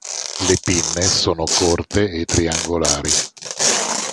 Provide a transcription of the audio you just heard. Le pinne sono corte e triangolari.